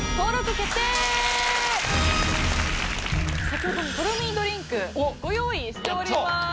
先ほどのとろみドリンクご用意しております。